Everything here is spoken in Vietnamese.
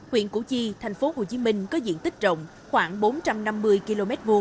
huyện củ chi tp hcm có diện tích rộng khoảng bốn trăm năm mươi km hai